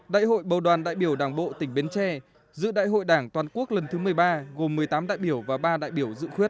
đại hội bầu đoàn đại biểu đảng bộ tỉnh bến tre giữ đại hội đảng toàn quốc lần thứ một mươi ba gồm một mươi tám đại biểu và ba đại biểu dự khuyết